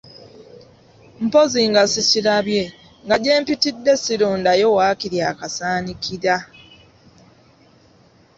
Mpozzi nga ssikirabye, nga gye mpitidde ssirondayo waakiri akasaanikira!